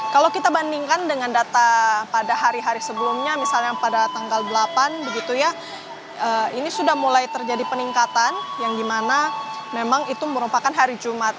kalau kita bandingkan dengan data pada hari hari sebelumnya misalnya pada tanggal delapan begitu ya ini sudah mulai terjadi peningkatan yang dimana memang itu merupakan hari jumat